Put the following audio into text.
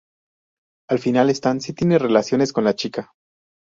Al final Stan sí tiene relaciones con la chica.